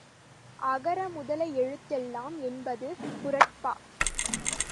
அகரமுதல எழுத் தெல்லாம் என்பது குறட்பா.